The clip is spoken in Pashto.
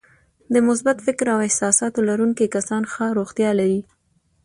د مثبت فکر او احساساتو لرونکي کسان ښه روغتیا لري.